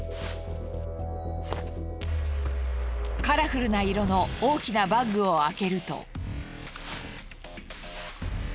カラフルな色の大きなバッグを開けると。